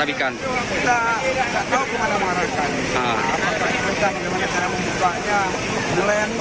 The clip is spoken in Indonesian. apakah kita akan menjaga ikan para nelayan ini